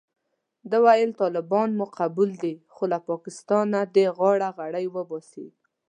ده ویل طالبان مو قبول دي خو له پاکستانه دې غاړه غړۍ وباسي.